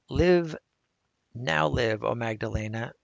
Live, now live, O Magdalena